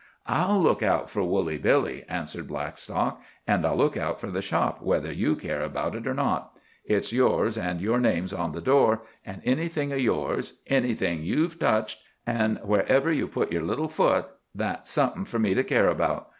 "I'll look out for Woolly Billy," answered Blackstock. "And I'll look out for the shop, whether you care about it or not. It's yours, and your name's on the door, and anything of yours, anything you've touched, an' wherever you've put your little foot, that's something for me to care about.